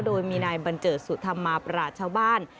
โดยมีนายบัญเจิดสุธรรมาปราชชาวบ้าน